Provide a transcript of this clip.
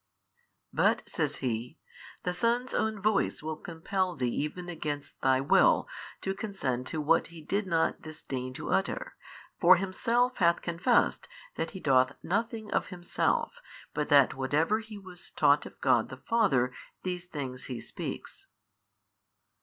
"But," says he, "the Son's own voice will compel thee even against thy will to consent to what He did not disdain to utter: for Himself hath confessed that He doth nothing of Himself but that whatever He was taught of God the Father these things He speaks."